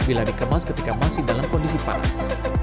bila dikemas ketika masih dalam kondisi panas